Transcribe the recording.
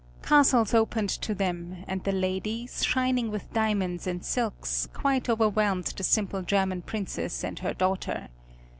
Castles opened to them and the ladies, shining with diamonds and silks, quite overwhelmed the simple German Princess and her daughter.